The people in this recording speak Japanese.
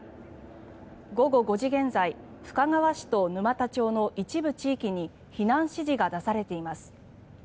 午後５時現在深川市と沼田町の一部地域に避難指示が出されています。